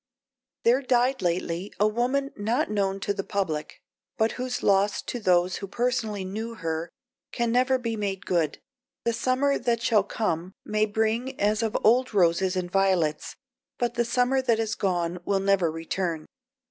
There died lately a woman not known to the public, but whose loss to those who personally knew her can never be made good. The summer that shall come may bring as of old roses and violets, but the summer that is gone will never return.